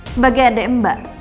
sebagai adik mba